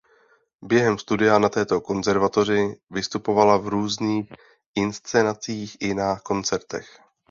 Během studia na této konzervatoři vystupovala v různých inscenacích i na koncertech.